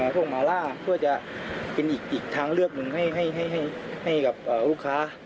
พวกหมาล่าเพื่อจะเป็นอีกทางเลือกหนึ่งให้กับลูกค้า